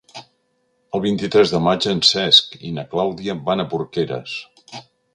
El vint-i-tres de maig en Cesc i na Clàudia van a Porqueres.